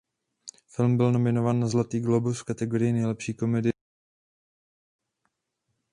Film byl nominován na Zlatý glóbus v kategorii nejlepší komedie či muzikál.